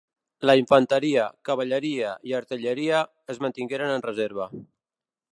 La infanteria, cavalleria i artilleria es mantingueren en reserva.